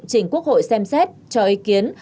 chỉnh quốc hội xem xét cho ý kiến